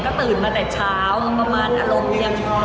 ก็ตื่นมาแต่เช้าประมาณอารมณ์ยังพอ